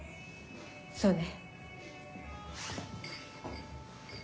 そうね。